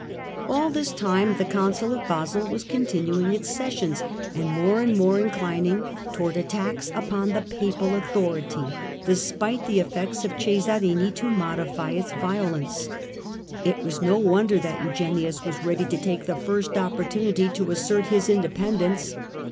Empire of AH this time the Council of Basle was continuing its and the sessions, and more and more inclining towards attacks ChSeh npon the Papal authority, despite the efforts of Cesarini to modify its violence. It was no wonder that Eugenius was ready to take the first opportunity to assert his in dependence.